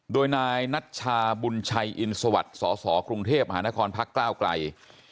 โดยนายนัชชาบุญชัยอินสวัสดิ์สสกรุงเทพมหานครพักก้าวไกล